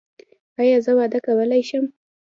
ایا زه واده کولی شم؟